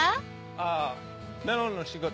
あぁメロンの仕事。